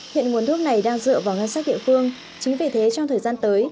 hiện nguồn thuốc này đang dựa vào ngăn sát địa phương chính vì thế trong thời gian tới